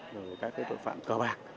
rồi các tội phạm cờ bạc